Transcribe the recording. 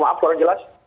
maaf kurang jelas